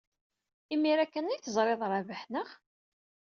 Imir-a kan ay teẓrid Rabaḥ, naɣ?